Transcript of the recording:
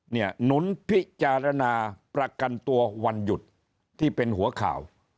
หนุนพิจารณาประกันตัววันหยุดที่เป็นหัวข่าว